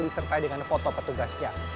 disertai dengan foto petugasnya